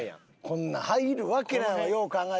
こんなん入るわけないわよう考えたら。